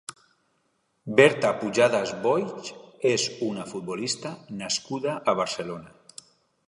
Berta Pujadas Boix és una futbolista nascuda a Barcelona.